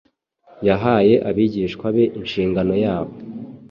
yahaye abigishwa be inshingano yabo.